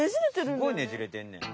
すごいねじれてんねん。